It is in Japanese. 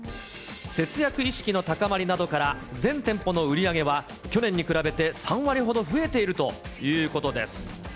節約意識の高まりなどから、全店舗の売り上げは去年に比べて３割ほど増えているということです。